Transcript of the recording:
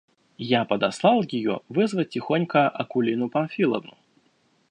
Я подослал ее вызвать тихонько Акулину Памфиловну.